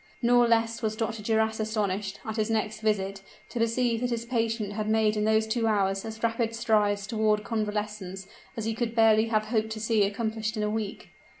Nor less was Dr. Duras astonished, at his next visit, to perceive that his patient had made in those two hours as rapid strides toward convalescence as he could barely have hoped to see accomplished in a week.